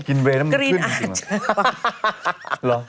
กรีนเวย์น้ำมันขึ้นจริงหรือเปล่า